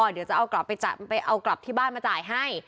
เดี๋ยวจะเอากลับที่บ้านมาจ่ายให้